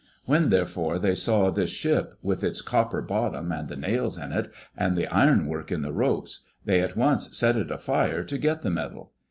When, therefore, they saw this ship, with its copper bottom and the nails in it, and the ironwork in the ropes, they at once set it afire to get the metal.